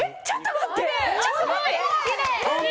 ちょっと待って！